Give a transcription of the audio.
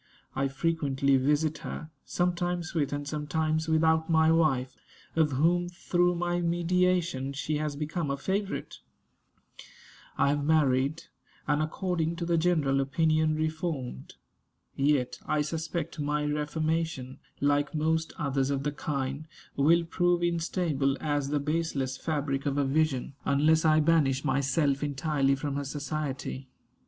I frequently visit her, sometimes with and sometimes without my wife, of whom, through my mediation, she has become a favorite. I have married, and according to the general opinion reformed. Yet I suspect my reformation, like most others of the kind, will prove instable as "the baseless fabric of a vision," unless I banish myself entirely from her society.